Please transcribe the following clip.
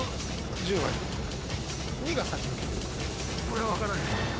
これ分からんよ。